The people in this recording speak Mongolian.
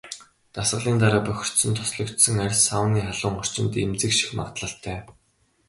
Дасгалын дараа бохирдсон, тослогжсон арьс сауны халуун орчинд эмзэгших магадлалтай.